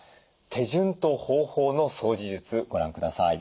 手順と方法の掃除術ご覧ください。